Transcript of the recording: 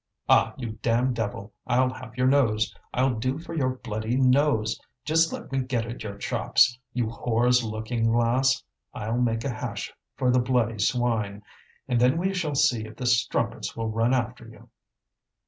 "Ah! you damned devil, I'll have your nose! I'll do for your bloody nose! Just let me get at your chops, you whore's looking glass; I'll make a hash for the bloody swine, and then we shall see if the strumpets will run after you!"